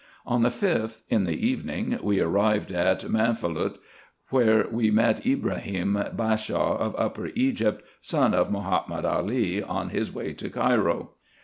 On the 5th, in the evening, we arrived at Manfalut, where we met Ibrahim, Bashaw of Upper Egypt, son of Mahomet Ali, on his way to Cairo.